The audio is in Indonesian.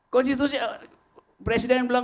konstitusi presiden bilang